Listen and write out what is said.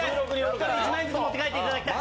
１人１万円ずつ持って帰っていただきたい。